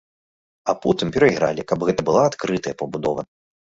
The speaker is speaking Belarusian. А потым перайгралі, каб гэта была адкрытая пабудова.